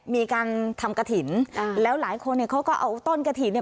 มีการทำกระถิ่นอ่าแล้วหลายคนเนี่ยเขาก็เอาต้นกระถิ่นเนี่ย